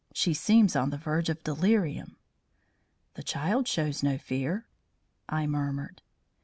"She seems on the verge of delirium." "The child shows no fear," I murmured.